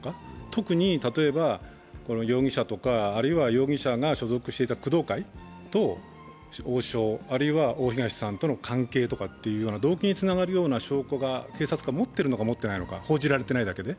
特に、例えば容疑者とか、あるいは容疑者が所属していた工藤会と王将あるいは大東さんとの関係とか、動機につながるような証拠が警察が持ってるのか、持ってないのか、報じられていないだけで。